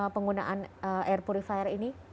penggunaan air purifier ini